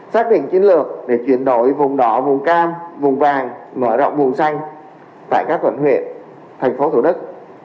xác định chiến lược để chuyển đổi vùng đỏ vùng cam vùng vàng mở rộng vùng xanh tại các quận huyện thành phố thủ đức